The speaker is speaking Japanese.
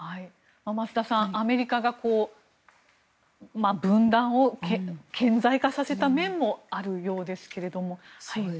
増田さん、アメリカが分断を顕在化させた面もあるようですけど。